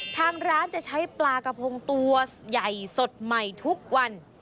ทางร้านจะใช้ปลากระพงตัวใหญ่สดใหม่ทุกวัน